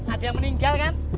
ada yang meninggal kan